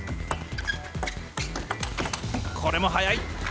これも速い。